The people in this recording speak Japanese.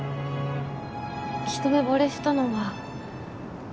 一目ぼれしたのは